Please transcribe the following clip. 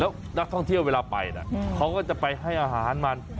แล้วนักท่องเที่ยวเวลาไปนะเขาก็จะไปให้อาหารมัน